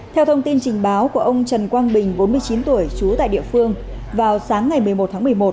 theo thông tin trình báo của ông trần quang bình bốn mươi chín tuổi trú tại địa phương vào sáng ngày một mươi một tháng một mươi một